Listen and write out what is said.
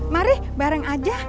mari bareng aja